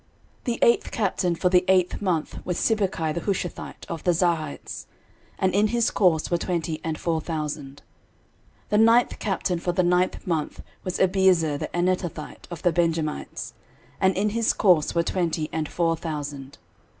13:027:011 The eighth captain for the eighth month was Sibbecai the Hushathite, of the Zarhites: and in his course were twenty and four thousand. 13:027:012 The ninth captain for the ninth month was Abiezer the Anetothite, of the Benjamites: and in his course were twenty and four thousand.